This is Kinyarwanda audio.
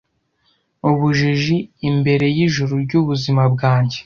Ubujiji imbere yijuru ryubuzima bwanjye,